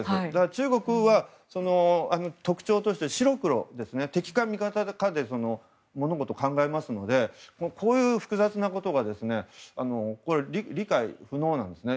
中国は特徴として白黒敵か味方かで物事を考えますのでこういう複雑なことが理解不能なんですね。